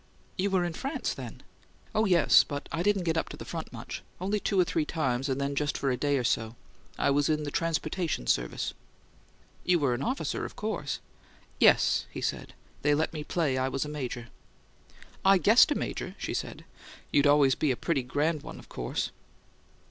"You were in France, then?" "Oh, yes; but I didn't get up to the front much only two or three times, and then just for a day or so. I was in the transportation service." "You were an officer, of course." "Yes," he said. "They let me play I was a major." "I guessed a major," she said. "You'd always be pretty grand, of course."